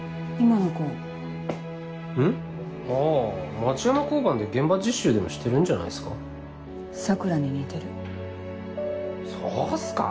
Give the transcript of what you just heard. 町山交番で現場実習でもしてるんじゃない桜に似てるそうっすか？